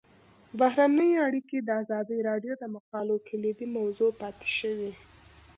بهرنۍ اړیکې د ازادي راډیو د مقالو کلیدي موضوع پاتې شوی.